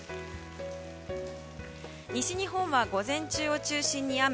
西日本は午前中を中心に雨。